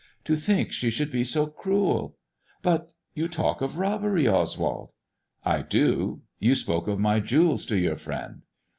To think she should be so cruel I But you talk of robbery, Oswald ?"" I do. You spoke of my jewels to your friend